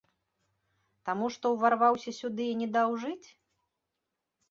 Таму, што ўварваўся сюды і не даў жыць?